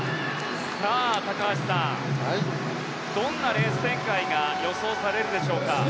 高橋さん、どんなレース展開が予想されるでしょうか。